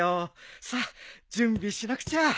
さっ準備しなくちゃ。